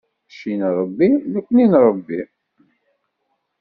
Cci n Ṛebbi, nekni n Ṛebbi.